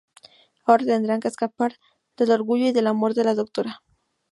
Ahora tendrán que escapar del orgullo y del amor que la Dra.